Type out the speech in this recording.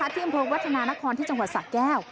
ที่อำเภอวัฒนานครที่จังหวัดสะแก้ว